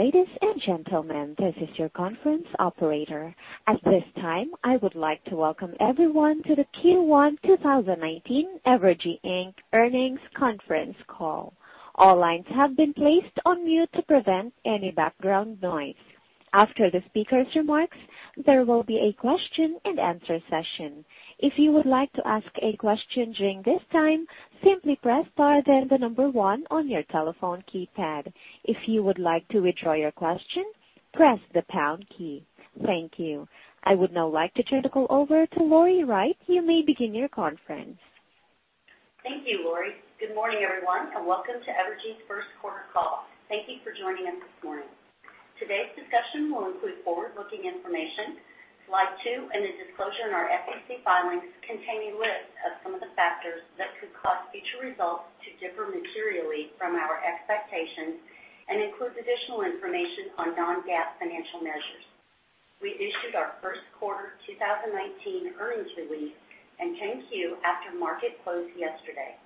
Hey, ladies and gentlemen, this is your conference operator. At this time, I would like to welcome everyone to the Q1 2019 Evergy, Inc. earnings conference call. All lines have been placed on mute to prevent any background noise. After the speaker's remarks, there will be a question and answer session. If you would like to ask a question during this time, simply press star, then the number one on your telephone keypad. If you would like to withdraw your question, press the pound key. Thank you. I would now like to turn the call over to Lori Wright. You may begin your conference. Thank you, Lori. Good morning, everyone, and welcome to Evergy's first quarter call. Thank you for joining us this morning. Today's discussion will include forward-looking information. Slide two and the disclosure in our SEC filings contain a list of some of the factors that could cause future results to differ materially from our expectations and includes additional information on non-GAAP financial measures. We issued our first quarter 2019 earnings release and 10-Q after market close yesterday.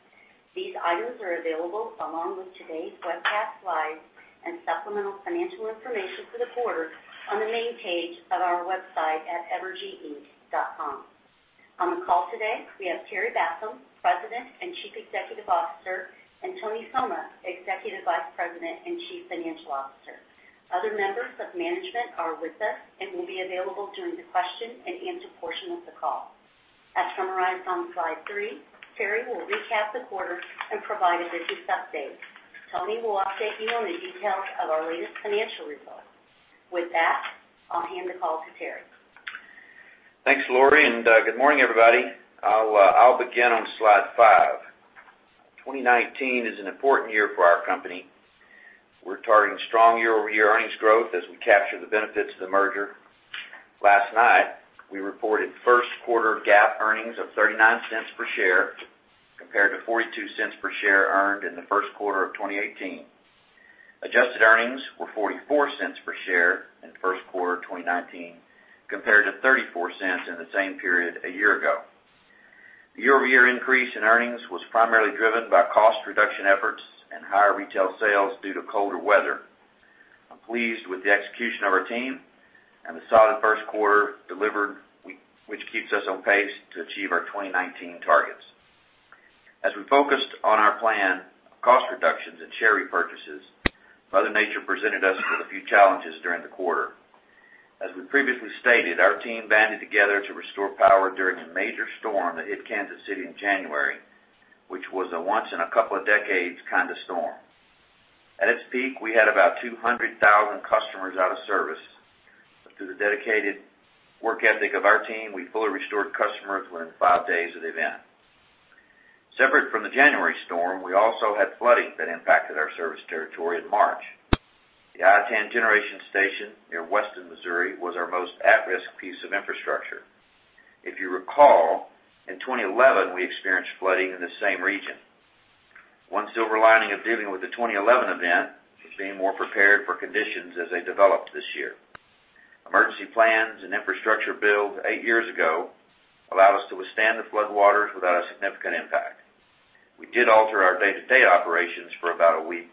These items are available along with today's webcast slides and supplemental financial information for the quarter on the main page of our website at evergy.com. On the call today, we have Terry Bassham, President and Chief Executive Officer, and Tony Somma, Executive Vice President and Chief Financial Officer. Other members of management are with us and will be available during the question and answer portion of the call. As summarized on slide three, Terry will recap the quarter and provide a business update. Tony will update you on the details of our latest financial report. With that, I'll hand the call to Terry. Thanks, Lori, and good morning, everybody. I'll begin on slide five. 2019 is an important year for our company. We're targeting strong year-over-year earnings growth as we capture the benefits of the merger. Last night, we reported first quarter GAAP earnings of $0.39 per share, compared to $0.42 per share earned in the first quarter of 2018. Adjusted earnings were $0.44 per share in the first quarter of 2019, compared to $0.34 in the same period a year ago. The year-over-year increase in earnings was primarily driven by cost reduction efforts and higher retail sales due to colder weather. I'm pleased with the execution of our team and the solid first quarter delivered, which keeps us on pace to achieve our 2019 targets. As we focused on our plan of cost reductions and share repurchases, mother nature presented us with a few challenges during the quarter. As we previously stated, our team banded together to restore power during a major storm that hit Kansas City in January, which was a once in a couple of decades kind of storm. At its peak, we had about 200,000 customers out of service. Through the dedicated work ethic of our team, we fully restored customers within five days of the event. Separate from the January storm, we also had flooding that impacted our service territory in March. The Iatan Generating Station near western Missouri was our most at-risk piece of infrastructure. If you recall, in 2011, we experienced flooding in the same region. One silver lining of dealing with the 2011 event was being more prepared for conditions as they developed this year. Emergency plans and infrastructure built eight years ago allowed us to withstand the floodwaters without a significant impact. We did alter our day-to-day operations for about a week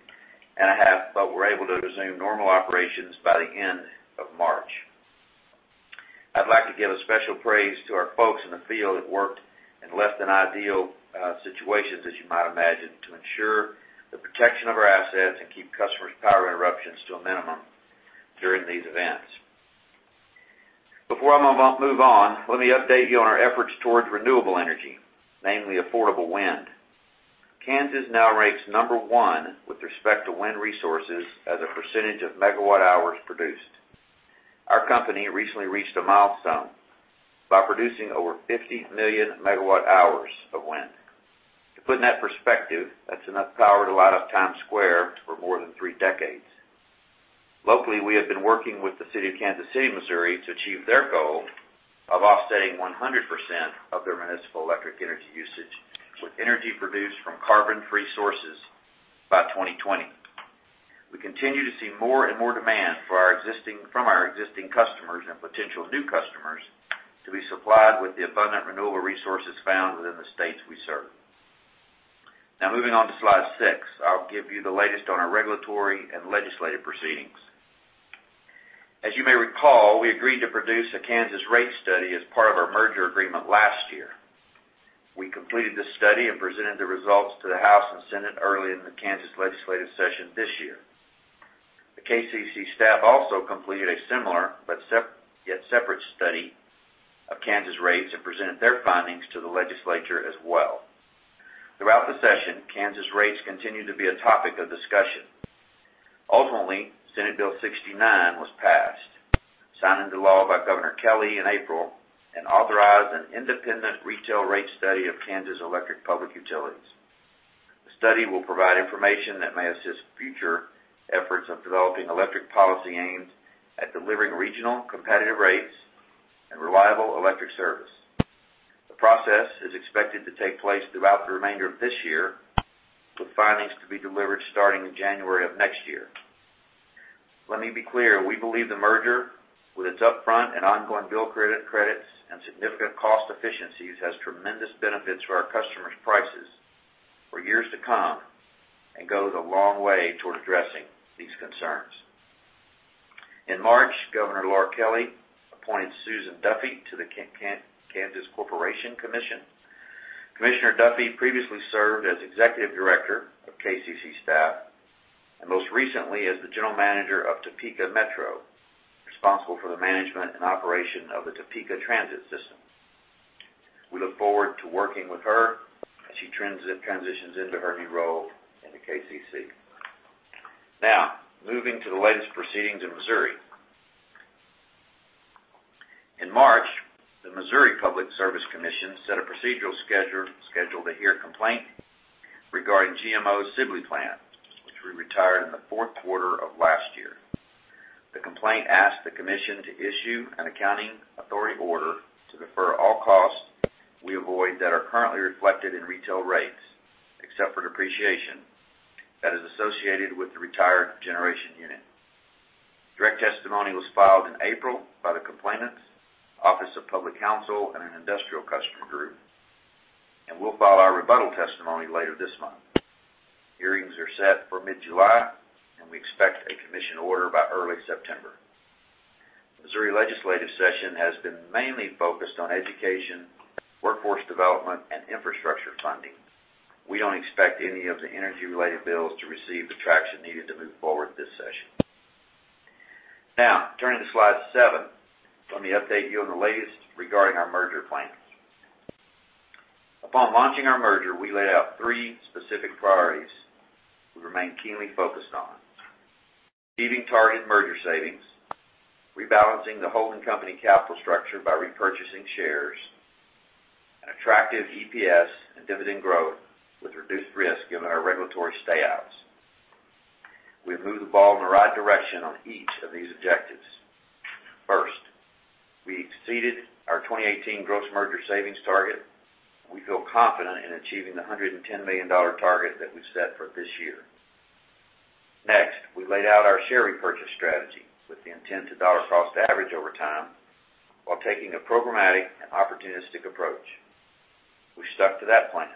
and a half, but were able to resume normal operations by the end of March. I'd like to give a special praise to our folks in the field that worked in less than ideal situations, as you might imagine, to ensure the protection of our assets and keep customers' power interruptions to a minimum during these events. Before I move on, let me update you on our efforts towards renewable energy, namely affordable wind. Kansas now ranks number one with respect to wind resources as a percentage of megawatt-hours produced. Our company recently reached a milestone by producing over 50 million megawatt-hours of wind. To put in that perspective, that's enough power to light up Times Square for more than three decades. Locally, we have been working with the city of Kansas City, Missouri to achieve their goal of offsetting 100% of their municipal electric energy usage with energy produced from carbon-free sources by 2020. We continue to see more and more demand from our existing customers and potential new customers to be supplied with the abundant renewable resources found within the states we serve. Moving on to slide six. I'll give you the latest on our regulatory and legislative proceedings. As you may recall, we agreed to produce a Kansas rate study as part of our merger agreement last year. We completed the study and presented the results to the House and Senate early in the Kansas legislative session this year. The KCC staff also completed a similar, yet separate study of Kansas rates and presented their findings to the legislature as well. Throughout the session, Kansas rates continued to be a topic of discussion. Ultimately, Senate Bill 69 was passed, signed into law by Governor Kelly in April, and authorized an independent retail rate study of Kansas Electric Public Utilities. The study will provide information that may assist future efforts of developing electric policy aims at delivering regional competitive rates and reliable electric service. The process is expected to take place throughout the remainder of this year, with findings to be delivered starting in January of next year. Let me be clear, we believe the merger, with its upfront and ongoing bill of credits and significant cost efficiencies has tremendous benefits for our customers' prices for years to come and goes a long way toward addressing these concerns. In March, Governor Laura Kelly appointed Susan Duffy to the Kansas Corporation Commission. Commissioner Duffy previously served as Executive Director of KCC staff and most recently as the General Manager of Topeka Metro, responsible for the management and operation of the Topeka transit system. We look forward to working with her as she transitions into her new role in the KCC. Moving to the latest proceedings in Missouri. In March, the Missouri Public Service Commission set a procedural schedule to hear a complaint regarding GMO's Sibley Plant, which we retired in the fourth quarter of last year. The complaint asked the commission to issue an accounting authority order to defer all costs we avoid that are currently reflected in retail rates, except for depreciation that is associated with the retired generation unit. Direct testimony was filed in April by the complainants, Office of Public Counsel, and an industrial customer group, and we will file our rebuttal testimony later this month. Hearings are set for mid-July, and we expect a commission order by early September. Missouri legislative session has been mainly focused on education, workforce development, and infrastructure funding. We don't expect any of the energy-related bills to receive the traction needed to move forward this session. Turning to slide seven. Let me update you on the latest regarding our merger plans. Upon launching our merger, we laid out three specific priorities we remain keenly focused on. Achieving target merger savings, rebalancing the holding company capital structure by repurchasing shares, an attractive EPS and dividend growth with reduced risk, given our regulatory stay-outs. We've moved the ball in the right direction on each of these objectives. First, we exceeded our 2018 gross merger savings target. We feel confident in achieving the $110 million target that we've set for this year. Next, we laid out our share repurchase strategy with the intent to dollar-cost average over time while taking a programmatic and opportunistic approach. We stuck to that plan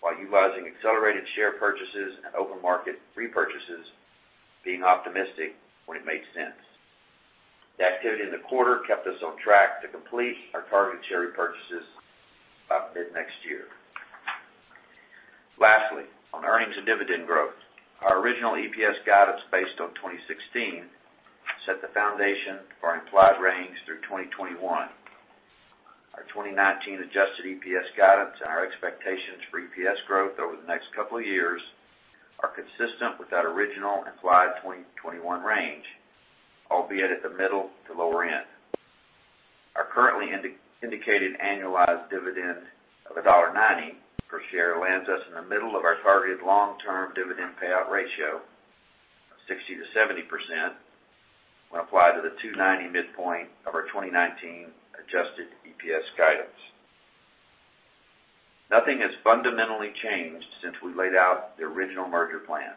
while utilizing accelerated share purchases and open market repurchases, being optimistic when it made sense. The activity in the quarter kept us on track to complete our target share repurchases by mid next year. Lastly, on earnings and dividend growth. Our original EPS guidance based on 2016 set the foundation for our implied range through 2021. Our 2019 adjusted EPS guidance and our expectations for EPS growth over the next couple of years are consistent with that original implied 2021 range, albeit at the middle to lower end. Our currently indicated annualized dividend of $1.90 per share lands us in the middle of our targeted long-term dividend payout ratio of 60%-70% when applied to the $2.90 midpoint of our 2019 adjusted EPS guidance. Nothing has fundamentally changed since we laid out the original merger plan.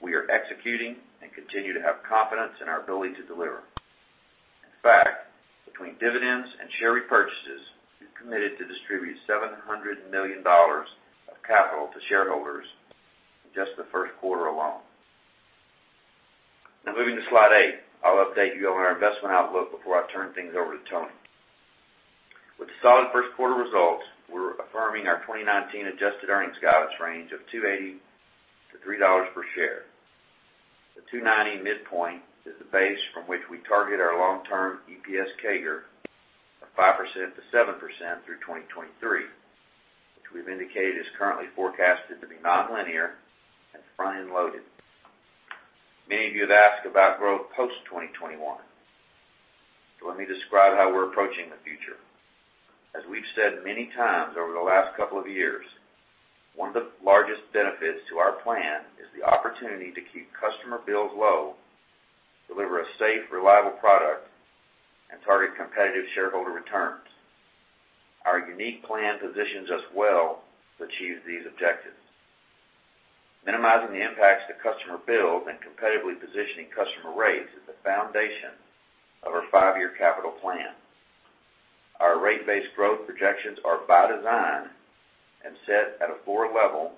We are executing and continue to have confidence in our ability to deliver. In fact, between dividends and share repurchases, we've committed to distribute $700 million of capital to shareholders in just the first quarter alone. Moving to slide eight. I will update you on our investment outlook before I turn things over to Tony. With the solid first quarter results, we're affirming our 2019 adjusted earnings guidance range of $2.80-$3 per share. The $2.90 midpoint is the base from which we target our long-term EPS CAGR of 5%-7% through 2023, which we've indicated is currently forecasted to be nonlinear and front-end loaded. Many of you have asked about growth post-2021. Let me describe how we're approaching the future. As we've said many times over the last couple of years, one of the largest benefits to our plan is the opportunity to keep customer bills low, deliver a safe, reliable product, and target competitive shareholder returns. Our unique plan positions us well to achieve these objectives. Minimizing the impacts to customer bills and competitively positioning customer rates is the foundation of our 5-year capital plan. Our rate-based growth projections are by design and set at a 4 level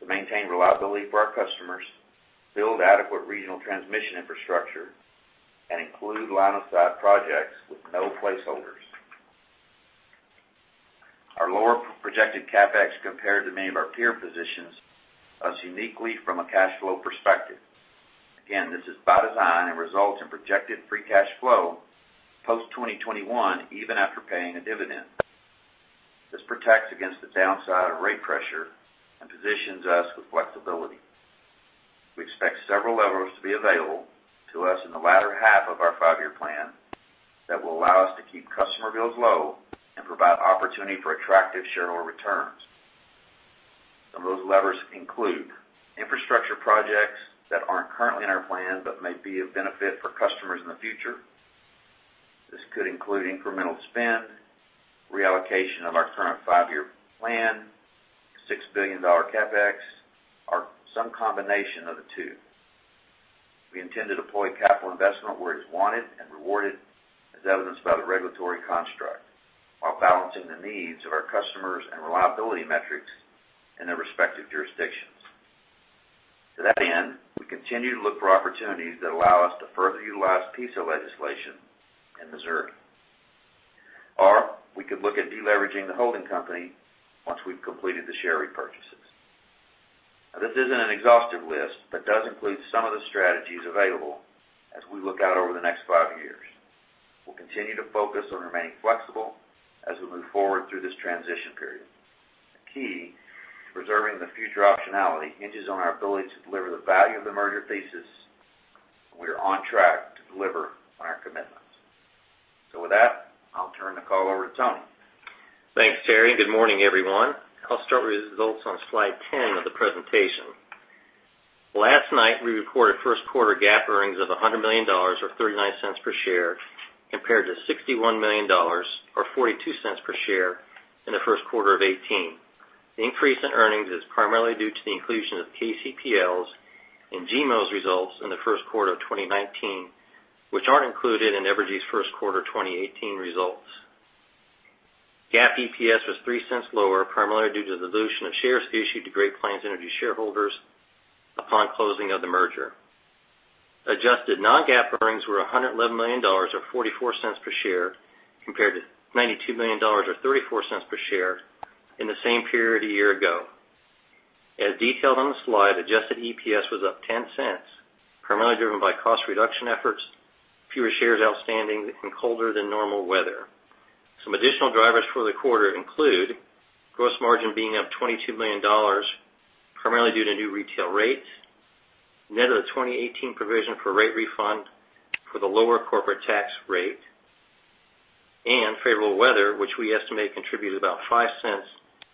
to maintain reliability for our customers, build adequate regional transmission infrastructure, and include line-of-sight projects with no placeholders. Our lower projected CapEx compared to many of our peer positions us uniquely from a cash flow perspective. Again, this is by design and results in projected free cash flow post-2021, even after paying a dividend. This protects against the downside of rate pressure and positions us with flexibility. We expect several levers to be available to us in the latter half of our 5-year plan that will allow us to keep customer bills low and provide opportunity for attractive shareholder returns. Some of those levers include infrastructure projects that aren't currently in our plan but may be of benefit for customers in the future. This could include incremental spend, reallocation of our current 5-year plan, $6 billion CapEx combination of the two. We intend to deploy capital investment where it's wanted and rewarded as evidenced by the regulatory construct, while balancing the needs of our customers and reliability metrics in their respective jurisdictions. To that end, we continue to look for opportunities that allow us to further utilize PISA legislation in Missouri. We could look at de-leveraging the holding company once we've completed the share repurchases. This isn't an exhaustive list, but does include some of the strategies available as we look out over the next 5 years. We'll continue to focus on remaining flexible as we move forward through this transition period. The key to preserving the future optionality hinges on our ability to deliver the value of the merger thesis, and we are on track to deliver on our commitments. With that, I'll turn the call over to Tony. Thanks, Terry, and good morning, everyone. I'll start with the results on slide 10 of the presentation. Last night, we reported first quarter GAAP earnings of $100 million, or $0.39 per share, compared to $61 million or $0.42 per share in the first quarter of 2018. The increase in earnings is primarily due to the inclusion of KCPL's and GMO's results in the first quarter of 2019, which aren't included in Evergy's first quarter 2018 results. GAAP EPS was $0.03 lower, primarily due to dilution of shares issued to Great Plains Energy shareholders upon closing of the merger. Adjusted non-GAAP earnings were $111 million, or $0.44 per share, compared to $92 million or $0.34 per share in the same period a year ago. As detailed on the slide, adjusted EPS was up $0.10, primarily driven by cost reduction efforts, fewer shares outstanding, and colder than normal weather. Some additional drivers for the quarter include gross margin being up $22 million, primarily due to new retail rates, net of the 2018 provision for rate refund for the lower corporate tax rate, and favorable weather, which we estimate contributed about $0.05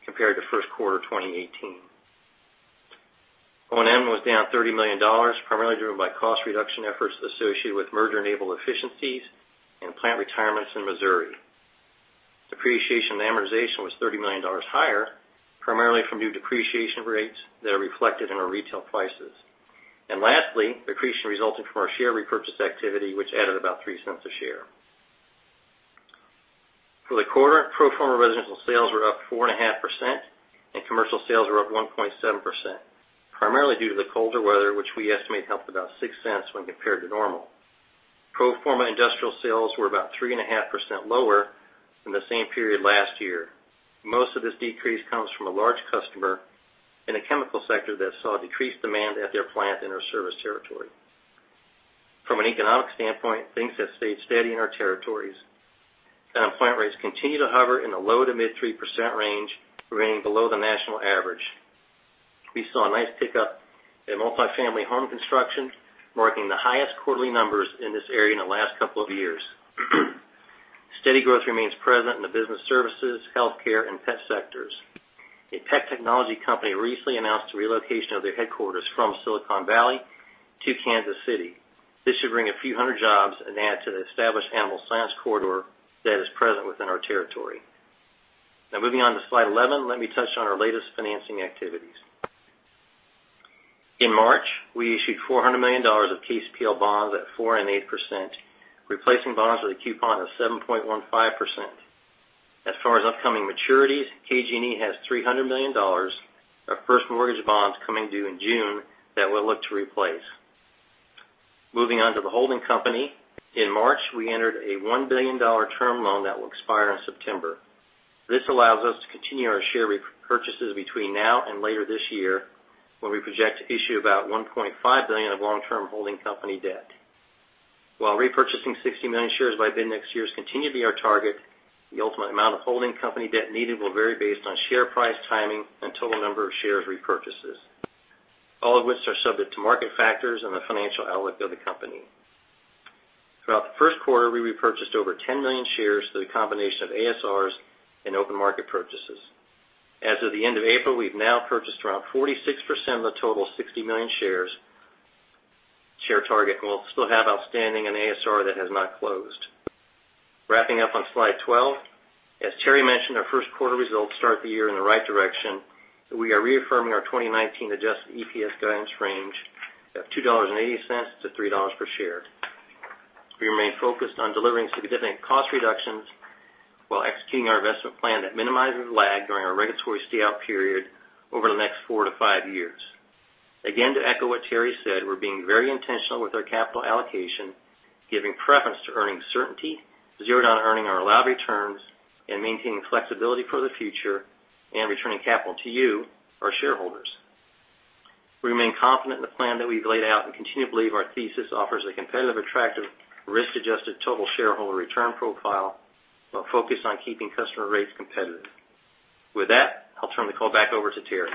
compared to first quarter 2018. O&M was down $30 million, primarily driven by cost reduction efforts associated with merger-enabled efficiencies and plant retirements in Missouri. Depreciation and amortization was $30 million higher, primarily from new depreciation rates that are reflected in our retail prices. Lastly, accretion resulting from our share repurchase activity, which added about $0.03 a share. For the quarter, pro forma residential sales were up 4.5% and commercial sales were up 1.7%, primarily due to the colder weather, which we estimate helped about $0.06 when compared to normal. Pro forma industrial sales were about 3.5% lower than the same period last year. Most of this decrease comes from a large customer in the chemical sector that saw decreased demand at their plant in our service territory. From an economic standpoint, things have stayed steady in our territories. Unemployment rates continue to hover in the low to mid 3% range, remaining below the national average. We saw a nice pickup in multi-family home construction, marking the highest quarterly numbers in this area in the last couple of years. Steady growth remains present in the business services, healthcare, and pet sectors. A pet technology company recently announced the relocation of their headquarters from Silicon Valley to Kansas City. This should bring a few hundred jobs and add to the established animal science corridor that is present within our territory. Moving on to slide 11, let me touch on our latest financing activities. In March, we issued $400 million of KCPL bonds at 4.8%, replacing bonds with a coupon of 7.15%. As far as upcoming maturities, KGE has $300 million of first mortgage bonds coming due in June that we'll look to replace. Moving on to the holding company. In March, we entered a $1 billion term loan that will expire in September. This allows us to continue our share repurchases between now and later this year, where we project to issue about $1.5 billion of long-term holding company debt. While repurchasing 60 million shares by the end next year has continued to be our target, the ultimate amount of holding company debt needed will vary based on share price, timing, and total number of shares repurchases. All of which are subject to market factors and the financial outlook of the company. Throughout the first quarter, we repurchased over 10 million shares through the combination of ASRs and open market purchases. As of the end of April, we've now purchased around 46% of the total 60 million shares target, and we'll still have outstanding an ASR that has not closed. Wrapping up on slide 12. As Terry mentioned, our first quarter results start the year in the right direction, so we are reaffirming our 2019 adjusted EPS guidance range of $2.80 to $3 per share. We remain focused on delivering significant cost reductions while executing our investment plan that minimizes lag during our regulatory stay-out period over the next four to five years. Again, to echo what Terry said, we're being very intentional with our capital allocation, giving preference to earnings certainty, zeroed on earning our allowed returns and maintaining flexibility for the future and returning capital to you, our shareholders. We remain confident in the plan that we've laid out and continue to believe our thesis offers a competitive, attractive, risk-adjusted total shareholder return profile while focused on keeping customer rates competitive. With that, I'll turn the call back over to Terry.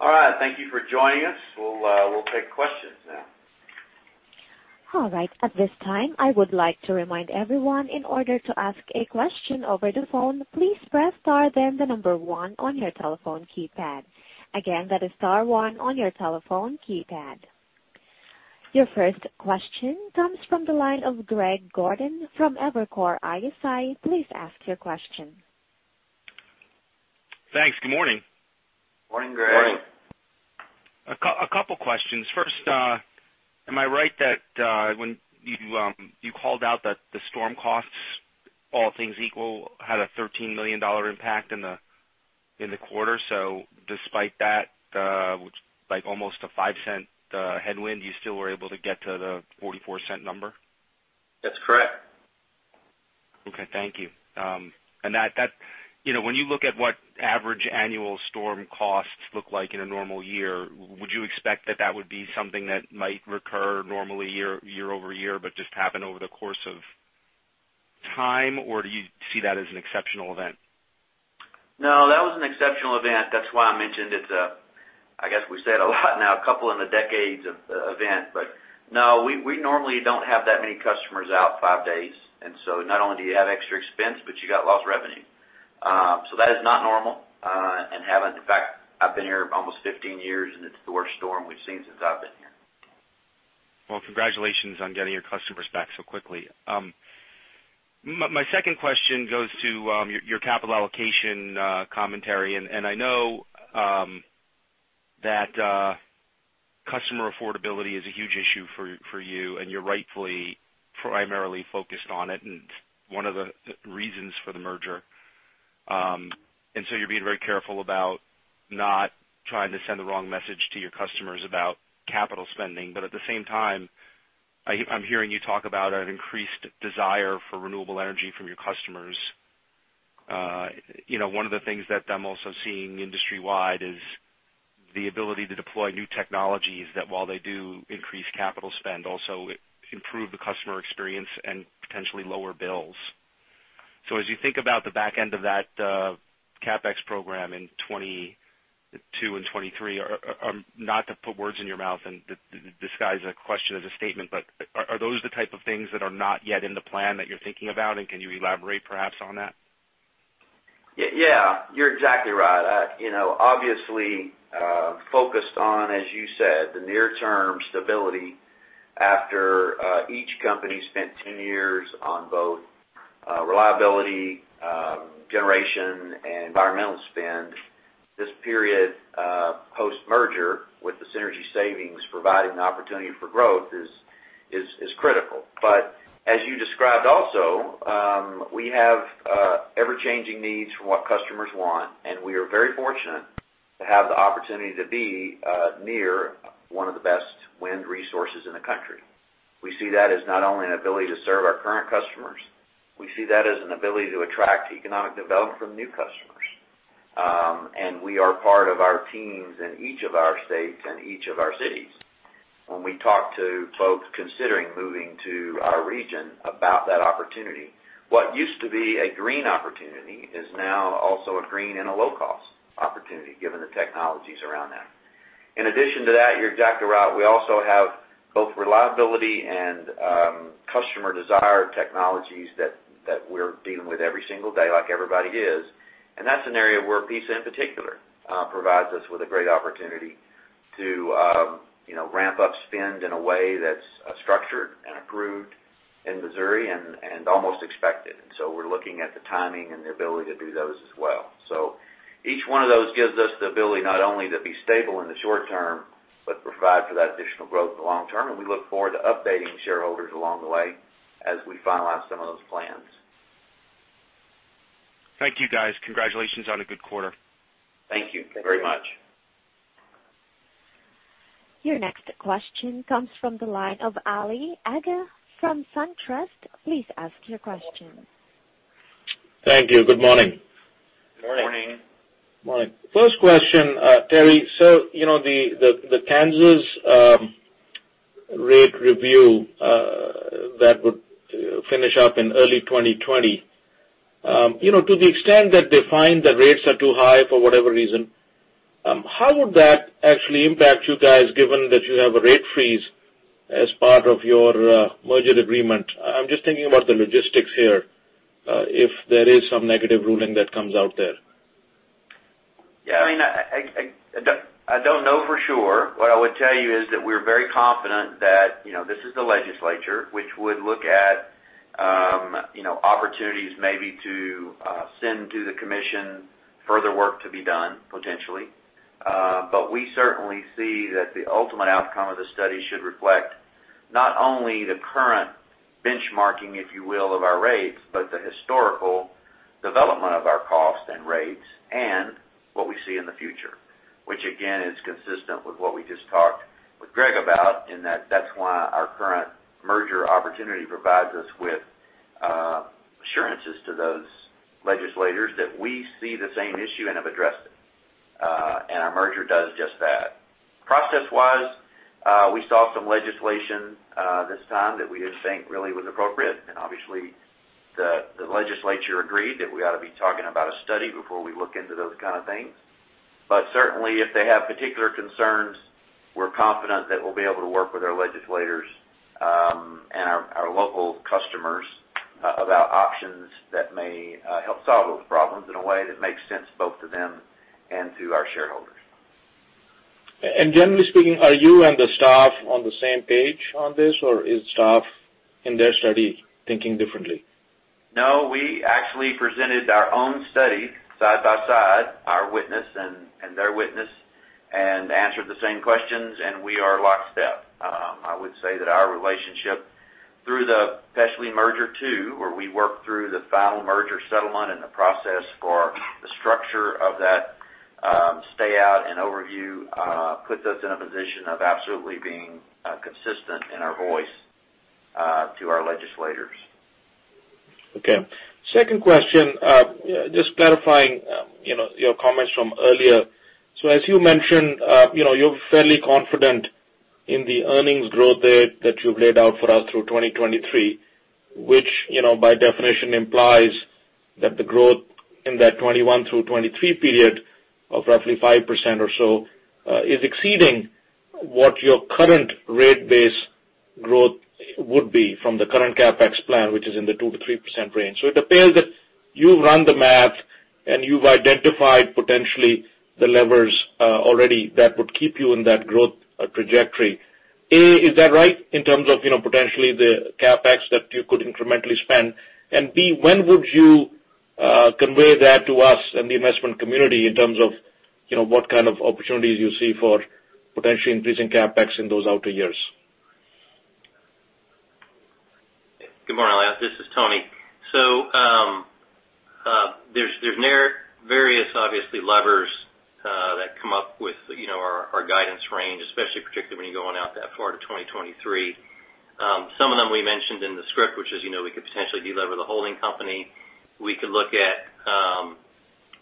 All right. Thank you for joining us. We'll take questions now. All right. At this time, I would like to remind everyone, in order to ask a question over the phone, please press star then the number one on your telephone keypad. Again, that is star one on your telephone keypad. Your first question comes from the line of Greg Gordon from Evercore ISI. Please ask your question. Thanks. Good morning. Morning, Greg. Morning. A couple of questions. First, am I right that when you called out that the storm costs, all things equal, had a $13 million impact in the quarter? Despite that, which like almost a $0.05 headwind, you still were able to get to the $0.44 number? That's correct. Okay. Thank you. When you look at what average annual storm costs look like in a normal year, would you expect that that would be something that might recur normally year-over-year, but just happen over the course of time? Do you see that as an exceptional event? That was an exceptional event. That's why I mentioned it's, I guess we say it a lot now, a couple in the decades of event. No, we normally don't have that many customers out 5 days. Not only do you have extra expense, but you got lost revenue. That is not normal, and haven't. In fact, I've been here almost 15 years, and it's the worst storm we've seen since I've been here. Well, congratulations on getting your customers back so quickly. My second question goes to your capital allocation commentary. I know that customer affordability is a huge issue for you, and you're rightfully, primarily focused on it, and one of the reasons for the merger. You're being very careful about not trying to send the wrong message to your customers about capital spending. At the same time, I'm hearing you talk about an increased desire for renewable energy from your customers. One of the things that I'm also seeing industry-wide is the ability to deploy new technologies that while they do increase capital spend, also improve the customer experience and potentially lower bills. As you think about the back end of that CapEx program in 2022 and 2023, not to put words in your mouth, and this guy's a question as a statement, are those the type of things that are not yet in the plan that you're thinking about? Can you elaborate perhaps on that? Yeah, you're exactly right. Obviously, focused on, as you said, the near term stability after each company spent 10 years on both reliability, generation, and environmental spend. This period post-merger with the synergy savings providing the opportunity for growth is critical. As you described also, we have ever-changing needs for what customers want, and we are very fortunate to have the opportunity to be near one of the best wind resources in the country. We see that as not only an ability to serve our current customers, we see that as an ability to attract economic development from new customers. We are part of our teams in each of our states and each of our cities. When we talk to folks considering moving to our region about that opportunity, what used to be a green opportunity is now also a green and a low-cost opportunity, given the technologies around that. In addition to that, you're exactly right. We also have both reliability and customer desire technologies that we're dealing with every single day like everybody is. That's an area where PISA, in particular, provides us with a great opportunity to ramp up spend in a way that's structured and approved in Missouri and almost expected. We're looking at the timing and the ability to do those as well. Each one of those gives us the ability not only to be stable in the short term, but provide for that additional growth in the long term, and we look forward to updating shareholders along the way as we finalize some of those plans. Thank you, guys. Congratulations on a good quarter. Thank you very much. Your next question comes from the line of Ali Agha from SunTrust. Please ask your question. Thank you. Good morning. Morning. Morning. First question, Terry. The Kansas rate review that would finish up in early 2020. To the extent that they find the rates are too high for whatever reason, how would that actually impact you guys given that you have a rate freeze as part of your merger agreement? I'm just thinking about the logistics here, if there is some negative ruling that comes out there. I don't know for sure. What I would tell you is that we're very confident that this is the legislature which would look at opportunities maybe to send to the commission further work to be done, potentially. We certainly see that the ultimate outcome of the study should reflect not only the current benchmarking, if you will, of our rates, but the historical development of our cost and rates and what we see in the future. Again, is consistent with what we just talked with Greg about, and that's why our current merger opportunity provides us with assurances to those legislators that we see the same issue and have addressed it. Our merger does just that. Process-wise, we saw some legislation this time that we just think really was appropriate. Obviously, the legislature agreed that we ought to be talking about a study before we look into those kind of things. Certainly, if they have particular concerns, we're confident that we'll be able to work with our legislatorsOur local customers about options that may help solve those problems in a way that makes sense both to them and to our shareholders. Generally speaking, are you and the staff on the same page on this, or is staff in their study thinking differently? We actually presented our own study side by side, our witness and their witness, answered the same questions, and we are lockstep. I would say that our relationship through the potentially merger too, where we work through the final merger settlement and the process for the structure of that stay out and overview, puts us in a position of absolutely being consistent in our voice to our legislators. Second question, just clarifying your comments from earlier. As you mentioned, you're fairly confident in the earnings growth there that you've laid out for us through 2023, which, by definition, implies that the growth in that 2021 through 2023 period of roughly 5% or so is exceeding what your current rate base growth would be from the current CapEx plan, which is in the 2%-3% range. It appears that you've run the math and you've identified potentially the levers already that would keep you in that growth trajectory. A, is that right in terms of potentially the CapEx that you could incrementally spend? B, when would you convey that to us and the investment community in terms of what kind of opportunities you see for potentially increasing CapEx in those outer years? Good morning, Ali Agha. This is Tony. There's various, obviously, levers that come up with our guidance range, especially particularly when you're going out that far to 2023. Some of them we mentioned in the script, which is we could potentially de-lever the holding company. We could look at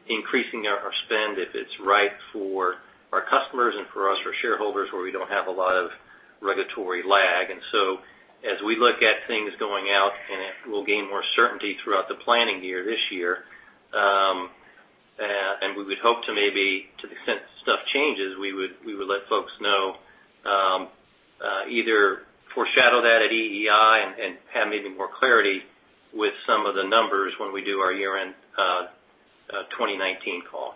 increasing our spend if it's right for our customers and for us, for shareholders, where we don't have a lot of regulatory lag. As we look at things going out and we'll gain more certainty throughout the planning year this year, we would hope to maybe, to the extent stuff changes, we would let folks know, either foreshadow that at EEI and have maybe more clarity with some of the numbers when we do our year-end 2019 call.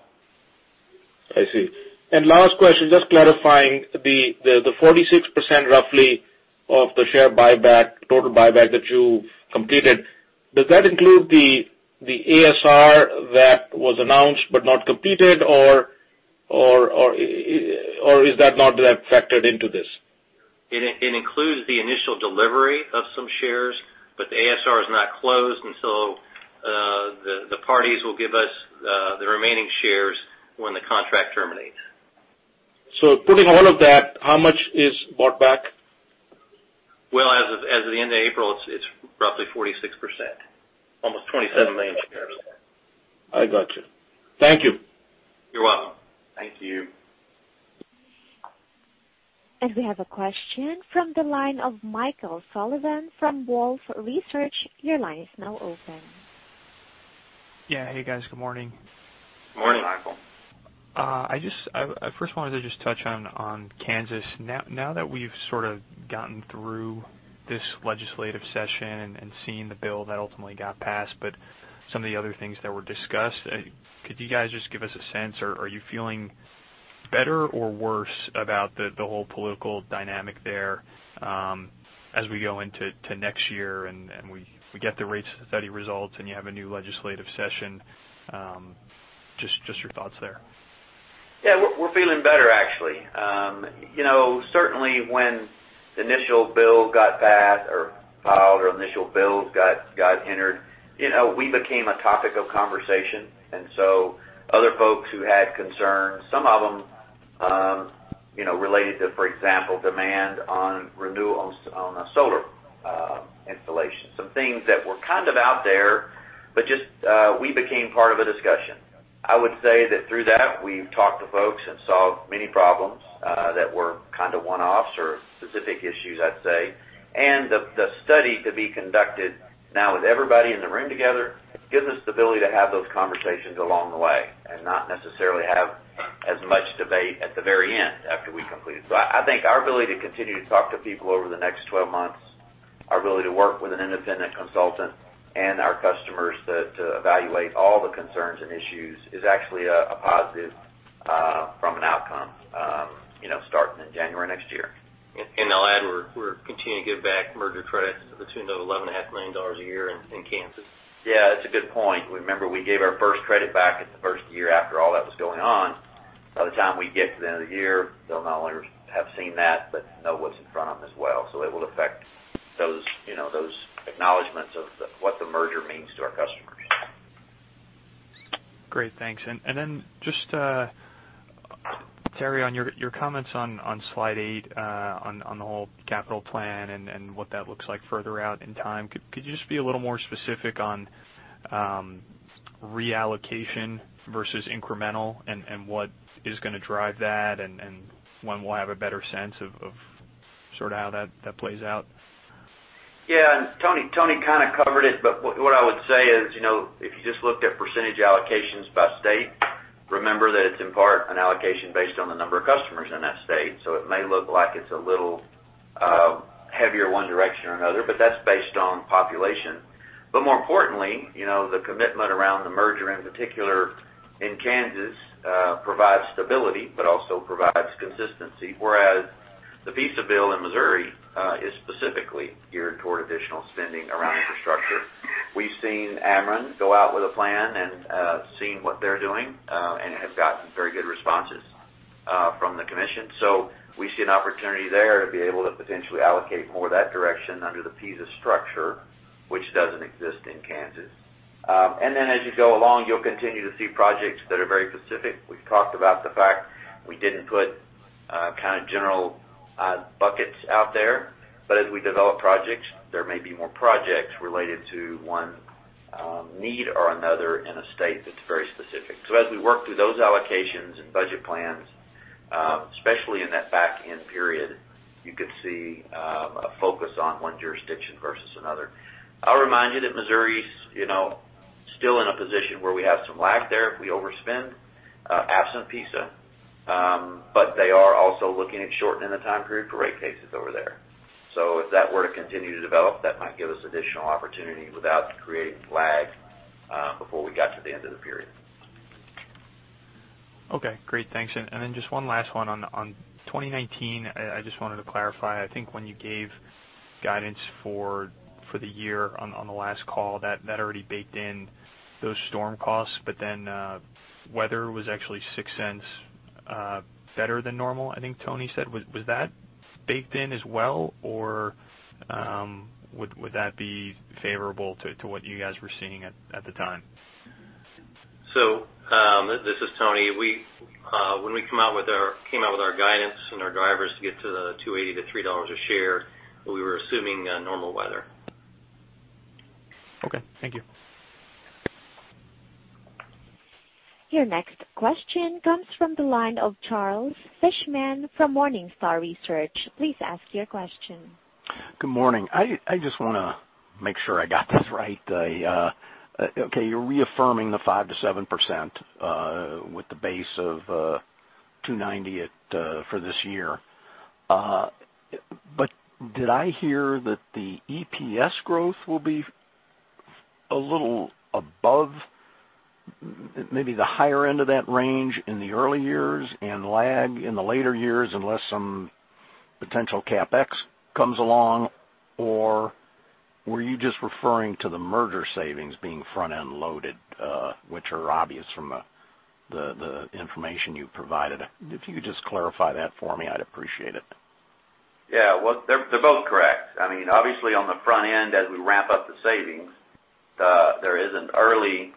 I see. Last question, just clarifying the 46% roughly of the share buyback, total buyback that you completed. Does that include the ASR that was announced but not completed, or is that not factored into this? It includes the initial delivery of some shares, but the ASR is not closed until the parties will give us the remaining shares when the contract terminates. Putting all of that, how much is bought back? As of the end of April, it's roughly 46%, almost 27 million shares. I got you. Thank you. You're welcome. Thank you. We have a question from the line of Michael Sullivan from Wolfe Research. Your line is now open. Yeah. Hey, guys. Good morning. Morning, Michael. I first wanted to just touch on Kansas. Now that we've sort of gotten through this legislative session and seen the bill that ultimately got passed, but some of the other things that were discussed, could you guys just give us a sense, are you feeling better or worse about the whole political dynamic there as we go into next year and we get the rate study results and you have a new legislative session? Just your thoughts there. Yeah, we're feeling better, actually. Certainly when the initial bill got passed or filed, or initial bills got entered, we became a topic of conversation. Other folks who had concerns, some of them related to, for example, demand on solar installations. Some things that were kind of out there, but just we became part of a discussion. I would say that through that, we've talked to folks and solved many problems that were one-offs or specific issues, I'd say. The study to be conducted now with everybody in the room together, it gives us the ability to have those conversations along the way and not necessarily have as much debate at the very end after we complete it. I think our ability to continue to talk to people over the next 12 months, our ability to work with an independent consultant and our customers to evaluate all the concerns and issues is actually a positive from an outcome starting in January next year. I'll add, we're continuing to give back merger credits to the tune of $11.5 million a year in Kansas. Yeah, that's a good point. Remember, we gave our first credit back at the first year after all that was going on. By the time we get to the end of the year, they'll not only have seen that, but know what's in front of them as well. It will affect those acknowledgments of what the merger means to our customers. Great. Thanks. Just, Terry, on your comments on slide eight, on the whole capital plan and what that looks like further out in time, could you just be a little more specific on reallocation versus incremental and what is going to drive that and when we'll have a better sense of sort of how that plays out? Yeah. Tony kind of covered it, but what I would say is if you just looked at percentage allocations by state. Remember that it's in part an allocation based on the number of customers in that state. So it may look like it's a little heavier one direction or another, but that's based on population. But more importantly, the commitment around the merger, in particular in Kansas, provides stability but also provides consistency. Whereas the PISA bill in Missouri is specifically geared toward additional spending around infrastructure. We've seen Ameren go out with a plan and seen what they're doing and have gotten very good responses from the commission. So we see an opportunity there to be able to potentially allocate more that direction under the PISA structure, which doesn't exist in Kansas. You'll continue to see projects that are very specific. We've talked about the fact we didn't put kind of general buckets out there. As we develop projects, there may be more projects related to one need or another in a state that's very specific. As we work through those allocations and budget plans, especially in that back end period, you could see a focus on one jurisdiction versus another. I'll remind you that Missouri's still in a position where we have some lag there if we overspend, absent PISA. They are also looking at shortening the time period for rate cases over there. If that were to continue to develop, that might give us additional opportunity without creating lag before we got to the end of the period. Okay, great. Thanks. Just one last one on 2019. I just wanted to clarify, I think when you gave guidance for the year on the last call, that already baked in those storm costs, but then weather was actually $0.06 better than normal, I think Tony said. Was that baked in as well? Or would that be favorable to what you guys were seeing at the time? This is Tony. When we came out with our guidance and our drivers to get to the $2.80-$3 a share, we were assuming normal weather. Okay, thank you. Your next question comes from the line of Charles Fishman from Morningstar Research. Please ask your question. Good morning. I just want to make sure I got this right. Okay, you're reaffirming the 5%-7% with the base of $290 for this year. Did I hear that the EPS growth will be a little above maybe the higher end of that range in the early years and lag in the later years, unless some potential CapEx comes along? Or were you just referring to the merger savings being front-end loaded, which are obvious from the information you've provided? If you could just clarify that for me, I'd appreciate it. Well, they're both correct. Obviously, on the front end, as we ramp up the savings, there is an early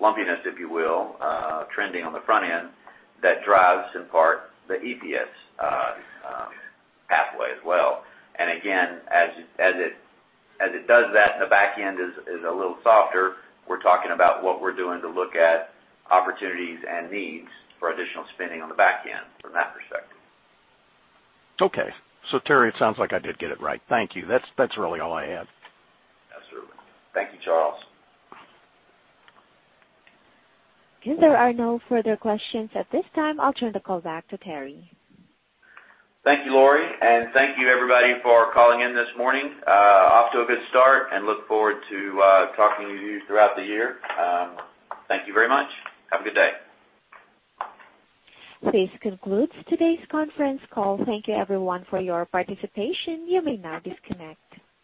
lumpiness, if you will, trending on the front end that drives in part the EPS pathway as well. Again, as it does that, the back end is a little softer. We're talking about what we're doing to look at opportunities and needs for additional spending on the back end from that perspective. Okay. Terry, it sounds like I did get it right. Thank you. That's really all I had. Yes, sir. Thank you, Charles. If there are no further questions at this time, I'll turn the call back to Terry. Thank you, Lori. Thank you everybody for calling in this morning. Off to a good start and look forward to talking to you throughout the year. Thank you very much. Have a good day. This concludes today's conference call. Thank you everyone for your participation. You may now disconnect.